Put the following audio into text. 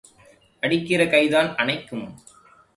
அடிக்கிற கைதான் அணைக்கும்.